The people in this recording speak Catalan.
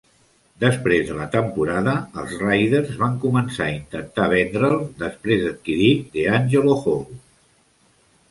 Després de la temporada, els Raiders van començar a intentar vendre'l després d'adquirir DeAngelo Hall.